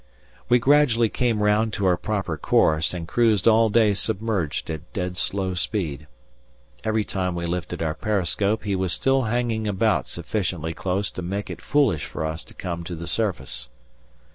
We gradually came round to our proper course, and cruised all day submerged at dead slow speed. Every time we lifted our periscope he was still hanging about sufficiently close to make it foolish for us to come to the surface.